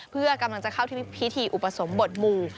เพื่อกำลังจะเข้าที่พิธีอุปสมบทหมู่